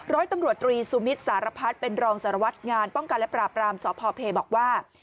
ร้อยตำรวจตรีสุมิตรสารพัฒน์เป็นรองสารวัตรงานป้องกันและปราบรามสพเพบอกว่า